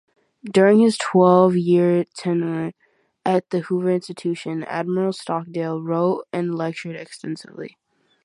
During his twelve-year tenure at the Hoover Institution, Admiral Stockdale wrote and lectured extensively.